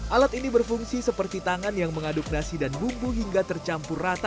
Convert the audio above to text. alat ini berfungsi seperti tangan yang mengaduk nasi dan bumbu hingga tercampur rata